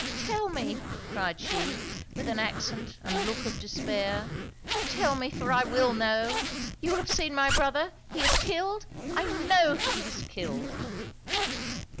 'Tell me,' cried she, with an accent and look of despair 'Tell me for I will know! You have seen my brother; he is killed! I know he is killed!'